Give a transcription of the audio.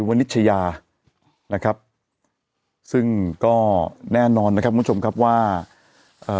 วนิชยานะครับซึ่งก็แน่นอนนะครับคุณผู้ชมครับว่าเอ่อ